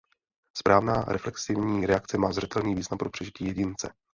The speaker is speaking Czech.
Správná reflexivní reakce má zřetelný význam pro přežití jedince.